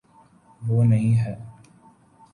وہ نہیں ہے۔